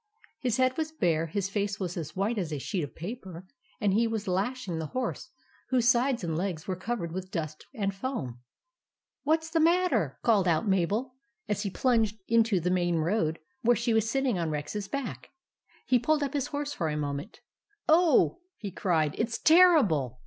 His head was bare; his face was as white as a sheet of paper ; and he was lashing the horse, whose sides and legs were covered with dust and foam. "What's the matter?" called out Mabel, as he plunged into the main road where she was sitting on Rex's back. He pulled up his horse for a moment. "Oh," he cried, "it's terrible!